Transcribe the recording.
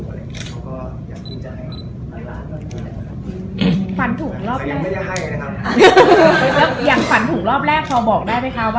เขาก็อยากที่จะให้มุมหลาน